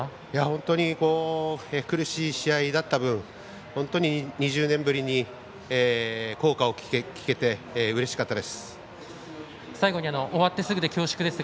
本当に苦しい試合だった分本当に２０年ぶりに校歌を聞けてうれしかったです。